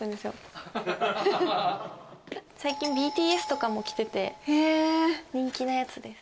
最近ＢＴＳとかも着てて人気のやつです。